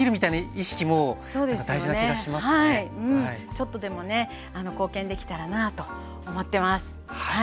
ちょっとでもね貢献できたらなぁと思ってます。